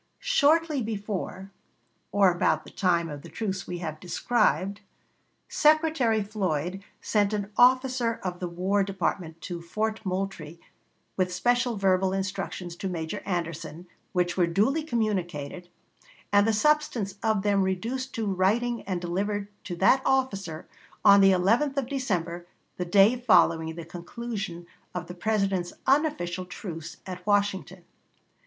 Shortly before, or about the time of the truce we have described, Secretary Floyd sent an officer of the War Department to Fort Moultrie with special verbal instructions to Major Anderson, which were duly communicated, and the substance of them reduced to writing and delivered to that officer on the 11th of December, the day following the conclusion of the President's unofficial truce at Washington.